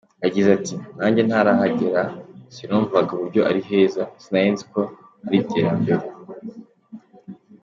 Yagize ati “Nanjye ntarahagera sinumvaga uburyo ari heza, sinari nzi ko hari iterambere.